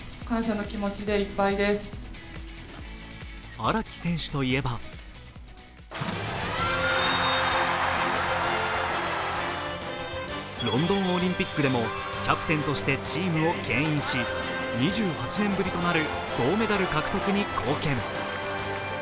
荒木選手といえばロンドンオリンピックでもキャプテンとしてチームをけん引し、２８年ぶりとなる銅メダル獲得に貢献。